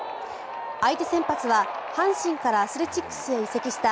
相手先発は阪神からアスレチックスへ移籍した